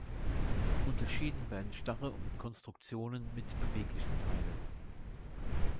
Unterschieden werden starre und Konstruktionen mit beweglichen Teilen.